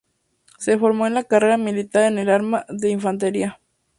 Se formó en la carrera militar en el arma de infantería.